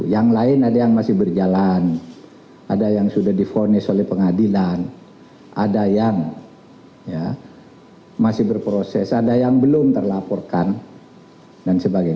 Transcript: yang lain ada yang masih berjalan ada yang sudah difonis oleh pengadilan ada yang masih berproses ada yang belum terlaporkan dan sebagainya